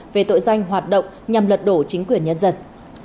về tội danh hoạt động nhằm lật đổ chính quyền nhân dân